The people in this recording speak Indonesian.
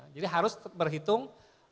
jadi harus berhitung